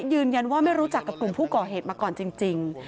ยืนยันว่าไม่รู้จักกับกลุ่มผู้ก่อเหตุมาก่อนจริง